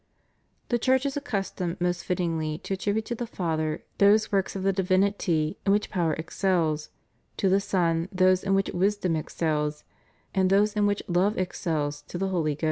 "^ The Church is accustomed most fittingly to attribute to the Father those works of the divinity in which power excels, to the Son those in which wisdom excels, and those in which love excels to the Holy Ghost.